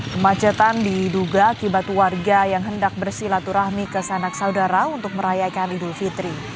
kemacetan diduga akibat warga yang hendak bersilaturahmi ke sanak saudara untuk merayakan idul fitri